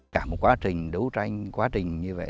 cả một quá trình đấu tranh quá trình như vậy